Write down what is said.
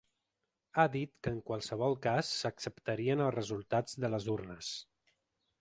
Ha dit que en qualsevol cas s’acceptarien els resultats de les urnes.